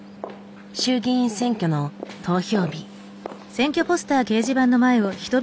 衆議院選挙の投票日。